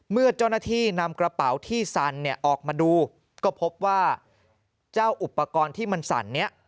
เมื่อเจ้าหน้าที่นำกระเป๋าที่สั่นเนี่ยออกมาดูก็พบว่าเจ้าอุปกรณ์ที่มันสั่นนี้